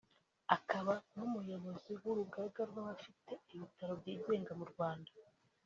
akaba n’umuyobozi w’urugaga rw’abafite ibitaro byigenga mu Rwanda